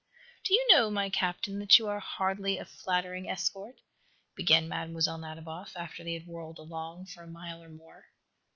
"Do you know, my Captain, that you are hardly a flattering escort?" began Mlle. Nadiboff, after they had whirled along for a mile or more.